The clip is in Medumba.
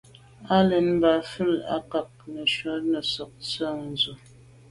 Á lɛ̀ɛ́n mbə̄ mvɛ́lì à’cák gə̀jɔ̀ɔ́ŋ mjɛ́ɛ̀’də̄ nə̀sɔ̀ɔ́k tsə̂ ndzwə́.